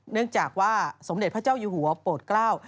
เนื่องจากว่าสมเด็จพระเจ้าอยู่หัวโปรดเกล้า